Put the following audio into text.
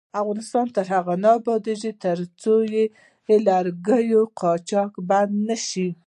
افغانستان تر هغو نه ابادیږي، ترڅو د لرګیو قاچاق بند نشي.